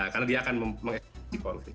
karena dia akan mengeksplosikan konflik